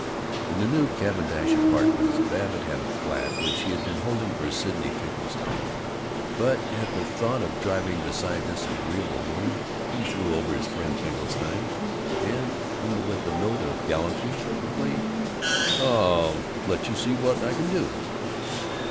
In the new Cavendish Apartments, Babbitt had a flat which he had been holding for Sidney Finkelstein, but at the thought of driving beside this agreeable woman he threw over his friend Finkelstein, and with a note of gallantry he proclaimed, "I'll let you see what I can do!"